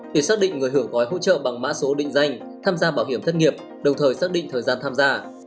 để xác định người hưởng gói hỗ trợ bằng mã số định danh tham gia bảo hiểm thất nghiệp đồng thời xác định thời gian tham gia